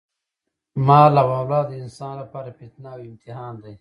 مال او اولاد د انسان لپاره فتنه او امتحان دی.